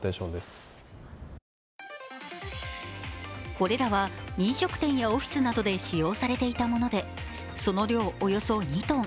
これらは飲食店やオフィスなどで使用されていたものでその量、およそ２ｔ。